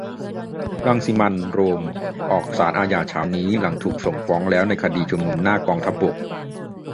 รังสิมันต์ โรม มาศาลอาญาเช้านี้หลังถูกส่งฟ้องแล้วในคดีชุมนุมหน้ากองทัพบก